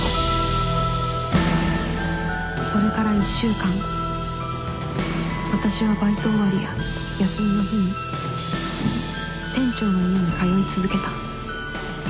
それから１週間私はバイト終わりや休みの日に店長の家に通い続けた